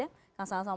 kang san selamat malam